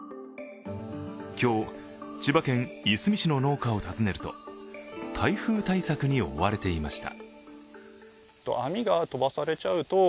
今日、千葉県いすみ市の農家を訪ねると台風対策に追われていました。